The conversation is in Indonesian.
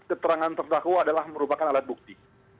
keterangan terdakwa adalah merupakan alat bukti